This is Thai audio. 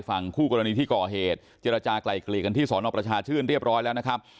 ฝั่งคู่กรณีที่ก่อเหตุเจรจากลายเกลี่ยกันที่สอนอประชาชื่นเรียบร้อยแล้วนะครับ